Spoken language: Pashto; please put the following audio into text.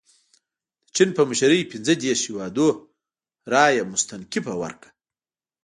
د چین په مشرۍ پنځه دېرش هیوادونو رایه مستنکفه ورکړه.